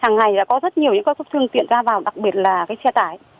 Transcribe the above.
hàng ngày đã có rất nhiều những sức thương tiện ra vào đặc biệt là cái xe tải